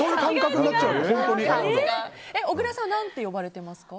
小倉さん、何て呼ばれてますか？